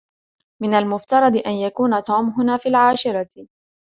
من المفترض أن يكون توم هنا في العاشرة.